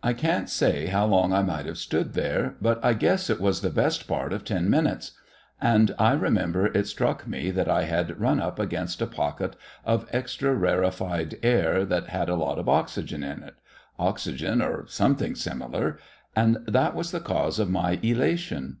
I can't say how long I might have stood there, but I guess it was the best part of ten minutes, and I remember it struck me that I had run up against a pocket of extra rarefied air that had a lot of oxygen in it oxygen or something similar and that was the cause of my elation.